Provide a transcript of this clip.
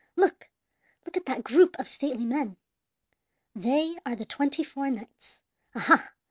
"Look look at that group of stately men! They are the twenty four knights. Aha!